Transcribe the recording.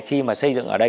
khi mà xây dựng ở đây